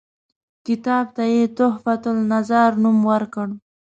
کتاب ته یې تحفته النظار نوم ورکړ.